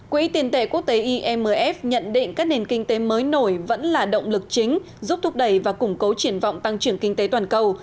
quỹ tiền tệ quốc tế imf nhận định các nền kinh tế mới nổi vẫn là động lực chính giúp thúc đẩy và củng cố triển vọng tăng trưởng kinh tế toàn cầu